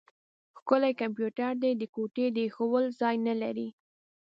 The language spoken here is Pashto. ښکلی کمپيوټر دی؛ د ګوتې د اېښول ځای نه لري.